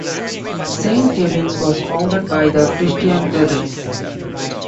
Saint Kevin's was founded by the Christian Brothers.